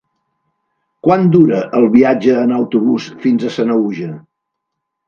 Quant dura el viatge en autobús fins a Sanaüja?